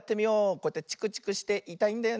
こうやってチクチクしていたいんだよね。